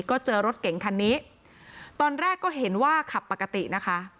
ก็เจอรถเก่งคันนี้ตอนแรกก็เห็นว่าขับปกตินะคะ